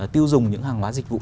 tiêu dùng những hàng hóa dịch vụ